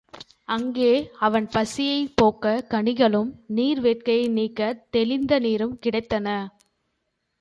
அங்கே அவன் பசியைப் போக்கக் கனிகளும் நீர் வேட்கையை நீக்கத் தெளிந்த நீரும் கிடைத்தன.